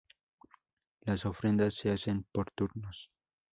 Las ofrendas se hacen por turnos.